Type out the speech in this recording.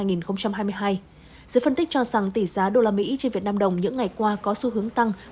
giới phân tích cho rằng tỷ giá usd trên việt nam đồng những ngày qua có xu hướng tăng